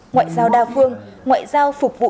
ngoại giao đa phương ngoại giao phục vụ